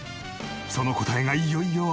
その答えがいよいよ明らかに！